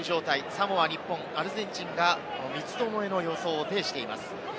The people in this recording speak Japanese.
サモア、日本、アルゼンチンが三つどもえの様相を呈しています。